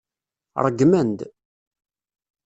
Ṛeggmen-d.